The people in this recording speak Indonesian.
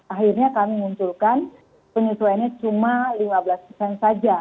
akhirnya kami munculkan penyesuaiannya cuma lima belas persen saja